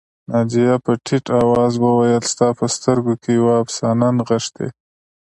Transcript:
ناجیه په ټيټ آواز وویل ستا په سترګو کې یوه افسانه نغښتې